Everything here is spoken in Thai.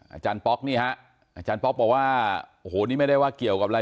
อาจารย์ป๊อกนี่ฮะอาจารย์ป๊อกบอกว่าโอ้โหนี่ไม่ได้ว่าเกี่ยวกับอะไร